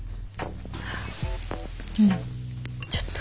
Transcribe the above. うんちょっと。